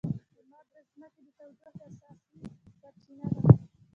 لمر د ځمکې د تودوخې اساسي سرچینه ده.